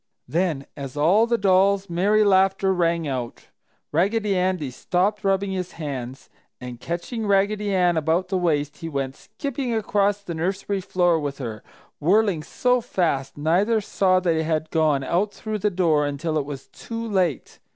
Then, as all the dolls' merry laughter rang out, Raggedy Andy stopped rubbing his hands, and catching Raggedy Ann about the waist, he went skipping across the nursery floor with her, whirling so fast neither saw they had gone out through the door until it was too late.